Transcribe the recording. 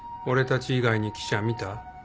俺たち以外に記者見た？